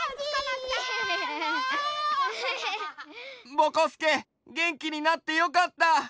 ぼこすけげんきになってよかった。